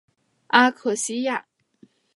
阿克西亚。